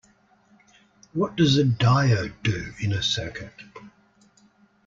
What does a diode do in a circuit?